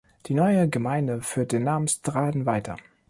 Die neue Gemeinde führt den Namen „Straden“ weiter.